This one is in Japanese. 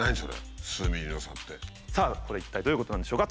さあこれは一体どういうことなんでしょうか？